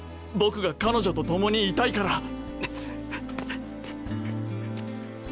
僕が彼女と共にいたいから。